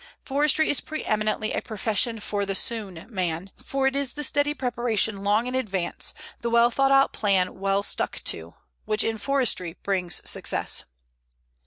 Forestry is preëminently a profession for the "soon" man, for it is the steady preparation long in advance, the well thoughtout plan well stuck to, which in forestry brings success.